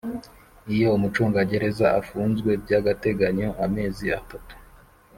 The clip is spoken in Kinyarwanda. Iyo umucungagereza afunzwe by agateganyo amezi atatu